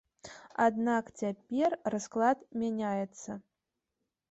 Аднак цяпер расклад мяняецца.